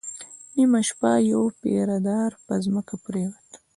نيمه شپه يو پيره دار پر ځمکه پرېووت.